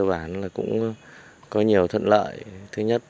bản là cũng có nhiều thuận lợi thứ nhất